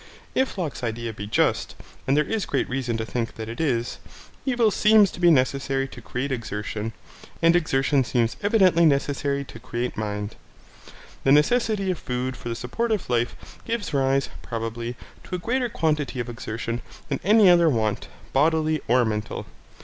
If Locke's idea be just, and there is great reason to think that it is, evil seems to be necessary to create exertion, and exertion seems evidently necessary to create mind. The necessity of food for the support of life gives rise, probably, to a greater quantity of exertion than any other want, bodily or mental.